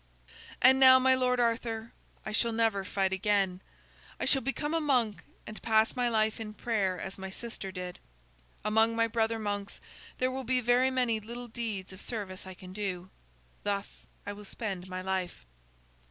"And now, my lord Arthur, I shall never fight again. I shall become a monk and pass my life in prayer as my sister did. Among my brother monks, there will be very many little deeds of service I can do. Thus will I spend my life."